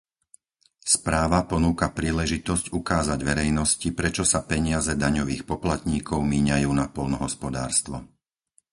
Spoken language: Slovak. Správa ponúka príležitosť ukázať verejnosti, prečo sa peniaze daňových poplatníkov míňajú na poľnohospodárstvo.